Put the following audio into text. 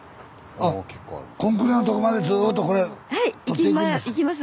あっコンクリのとこまでずっとこれ掘っていくんです？